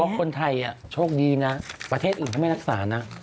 เราบอกว่าคนไทยโชคดีนะประเทศอื่นเขาไม่รักษานะ